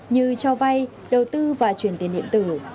như cho vay đầu tư và chuyển tiền điện tử